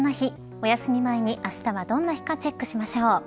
おやすみ前に、あしたがどんな日かチェックしましょう。